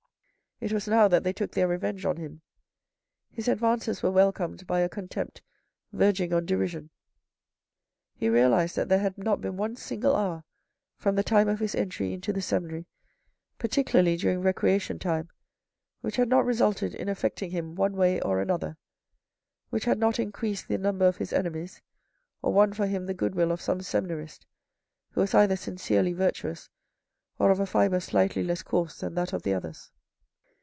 It was now that they took their revenge on him. His advances were welcomed by a contempt verging on derision. He realised that there had not been one single hour from the time of his entry into the seminary, particularly during recreation time, which had not resulted in affecting him one way or another, which had not increased the number of his enemies, or won for him the goodwill of some seminarist who was either sincerely virtuous or of a fibre slightly less coarse than that of the others.